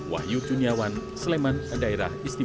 wahyu cuniawan sleman daerah istana